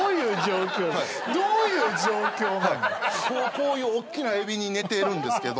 こういうおっきなエビに寝てるんですけど。